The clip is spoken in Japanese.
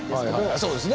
あそうですね。